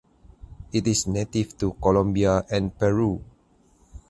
It is native to Colombia and Peru.